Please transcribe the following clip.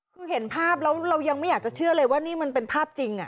คือเห็นภาพแล้วเรายังไม่อยากจะเชื่อเลยว่านี่มันเป็นภาพจริง